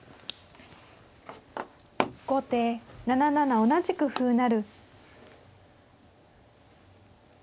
後手７七同じく歩成。